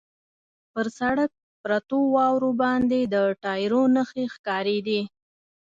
پر سړک پرتو واورو باندې د ټایرو نښې ښکارېدې.